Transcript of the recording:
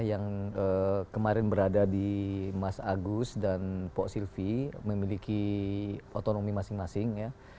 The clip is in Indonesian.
yang kemarin berada di mas agus dan pak silvi memiliki otonomi masing masing ya